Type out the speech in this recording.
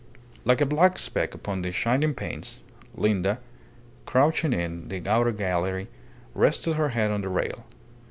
Like a black speck upon the shining panes, Linda, crouching in the outer gallery, rested her head on the rail.